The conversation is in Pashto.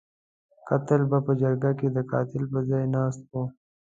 قاتل به په جرګه کې د قاتل پر ځای ناست وو.